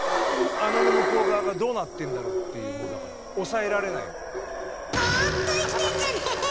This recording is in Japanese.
穴の向こう側がどうなってんだろうっていうもうだから抑えられない。